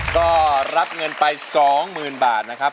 ก็รับเงินไป๒๐๐๐บาทนะครับ